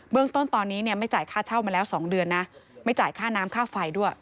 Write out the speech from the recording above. เรื่องต้นตอนนี้เนี่ยไม่จ่ายค่าเช่ามาแล้ว๒เดือนนะไม่จ่ายค่าน้ำค่าไฟด้วย